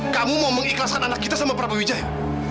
kamu mau mengikhlaskan anak kita sama prabu wijaya